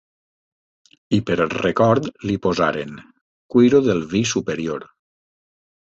I per record li posaren: cuiro del vi superior.